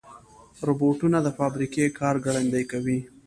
روبوټونه د فابریکې کار ګړندي کوي.